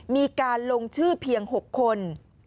มีการลงชื่อเพียง๖คน